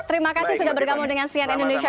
terima kasih sudah bergabung dengan sian indonesia